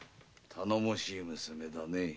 頼もしい娘だねぇ。